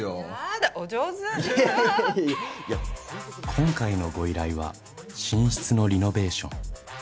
今回のご依頼は寝室のリノベーション。